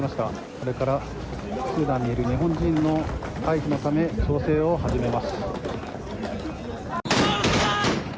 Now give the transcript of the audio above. これからスーダンにいる日本人の退避のため、調整を始めます。